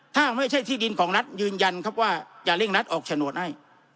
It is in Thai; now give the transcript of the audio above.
ถ้าไม่ใช่ที่ดินของรัฐยืนยันครับว่าจะเร่งรัดออกโฉนดให้